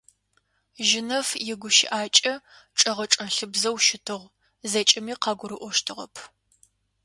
Жьынэф игущыӏакӏэ чӏэгъычӏэлъыбзэу щытыгъ, зэкӏэми къагурыӏощтыгъэп.